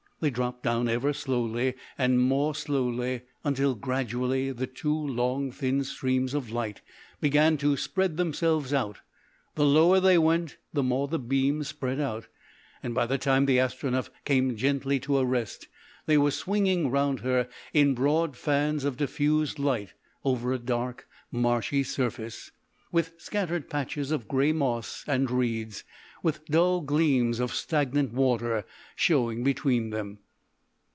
They dropped down ever slowly and more slowly until gradually the two long, thin streams of light began to spread themselves out; the lower they went the more the beams spread out, and by the time the Astronef came gently to a rest they were swinging round her in broad fans of diffused light over a dark, marshy surface, with scattered patches of grey moss and reeds, with dull gleams of stagnant water showing between them.